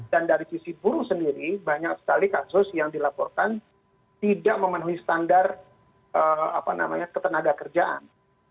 dan dari sisi burung sendiri banyak sekali kasus yang dilaporkan tidak memenuhi standar ketenaga kerjaan